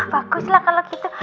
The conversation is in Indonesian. baguslah kalau gitu